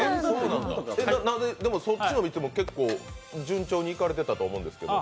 でも、そっちは順調にいかれていたと思うんですけど。